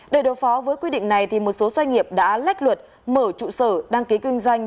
để đối phó với quy định này một số doanh nghiệp đã lách luật mở trụ sở đăng ký kinh doanh